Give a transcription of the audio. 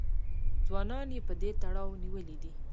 ځوانان یې په دې تړاو نیولي دي